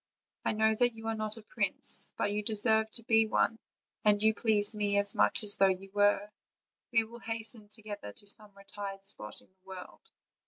I know that you are not a prince, but you deserve to be one, and you please me as much as though you were: we will hasten together to some retired spot in the world.